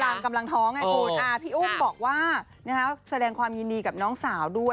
กำลังท้องไงคุณพี่อุ้มบอกว่าแสดงความยินดีกับน้องสาวด้วย